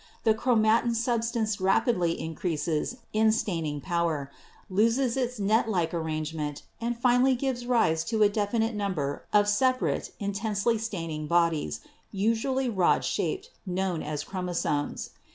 The chromatin substance rapidly increases in staining power, loses its net like arrangement and finally gives rise to a definite number of separate intensely staining bodies, usually rod shaped, known as chromosomes.